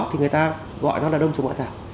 thì người ta gọi nó là đông trùng ngoại thảo